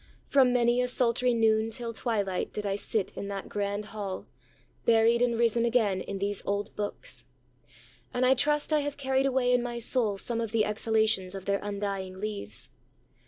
From many a sultry noon till twilight, did I sit in that grand hall, buried and risen again in these old books. And I trust I have carried away in my soul some of the exhalations of their undying leaves.